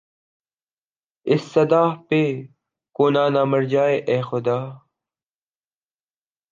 اس سادہ پہ کونہ نہ مر جائے اے خدا